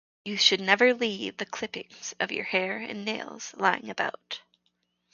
You should never leave the clippings of your hair and nails lying about.